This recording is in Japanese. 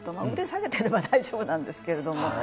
下げてれば大丈夫なんですけど。